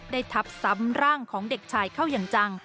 ทับซ้ำร่างของเด็กชายเข้าอย่างจัง